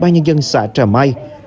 nhân dân xã trà my